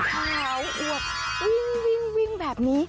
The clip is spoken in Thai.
เคาอือกวิ่งแบบนี้